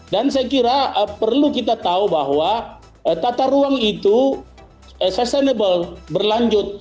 dan saya kira perlu kita tahu bahwa tata ruang itu sustainable berlanjut